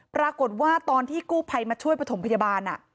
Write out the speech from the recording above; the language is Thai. ปรากฏว่าตอนที่กู้ภัยมาช่วยปฐมพยาบาล